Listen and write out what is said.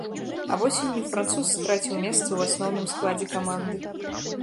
А восенню француз страціў месца ў асноўным складзе каманды.